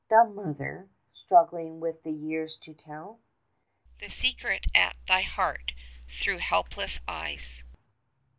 Dumb Mother, struggling with the years to tell The secret at thy heart through helpless eyes!